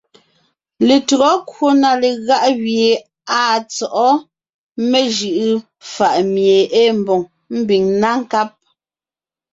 Letÿɔgɔ kwò na legáʼ gẅie à tsɔ́ʼɔ mejʉʼʉ fàʼ mie ée mbòŋ, ḿbiŋ ńná nkáb,